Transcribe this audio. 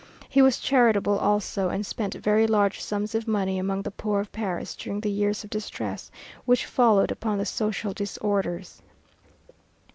He was charitable also, and spent very large sums of money among the poor of Paris during the years of distress which followed upon the social disorders.